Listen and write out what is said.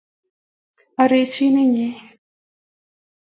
arirjin inye